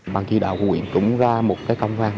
bà chỉ đạo của huyện cũng ra một cái công an